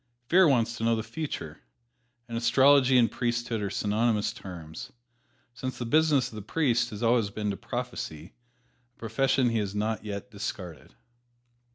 Fear wants to know the future, and astrology and priesthood are synonymous terms, since the business of the priest has always been to prophesy, a profession he has not yet discarded.